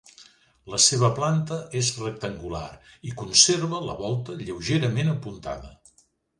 La seva planta és rectangular i conserva la volta lleugerament apuntada.